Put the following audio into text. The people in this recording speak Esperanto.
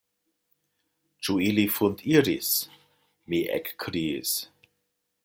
Ĉu ili fundiris!? mi ekkriis.